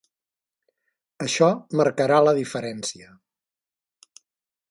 Això marcarà la diferència.